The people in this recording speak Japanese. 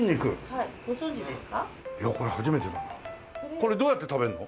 これどうやって食べるの？